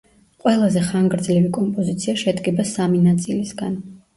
ყველაზე ხანგრძლივი კომპოზიცია შედგება სამი ნაწილისგან.